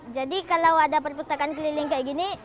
jadi kalau ada perpustakaan keliling kayak gini